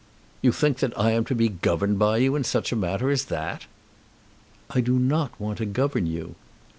"You think that I am to be governed by you in such a matter as that?" "I do not want to govern you."